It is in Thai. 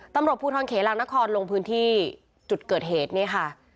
ตำรวจภูทรเขลางนครลงพื้นที่จุดเกิดเหตุนี่ค่ะ